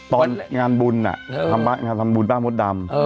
ตอนทีงานสนุกอ่ะทำบุญบ้านหมดดำ